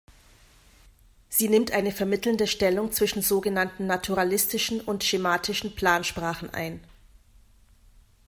Sie nimmt eine vermittelnde Stellung zwischen sogenannten naturalistischen und schematischen Plansprachen ein.